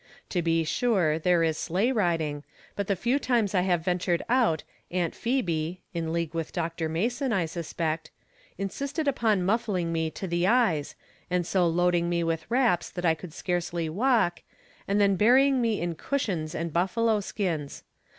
To be sure there is sleigh riding, but the few times 'I have ven tured out Aunt Phebe (in league wit^: Dr. Ma son, I suspect) insisted upon muffling me' 16 the eyes, and so loading me with wraps that I oojild scarcely walk, and then burying me in cushions and buffalo skins.